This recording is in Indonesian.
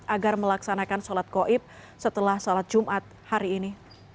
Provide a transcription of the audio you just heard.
agar melaksanakan sholat gaib setelah sholat jumat hari ini